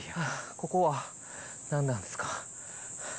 ここは何なんですか。